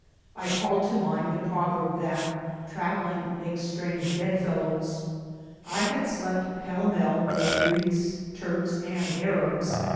I called to mind the proverb, that ^^ travelling makes strange bed fellows." I had riept pellmell with Oreeks, TurkSi and Arabs.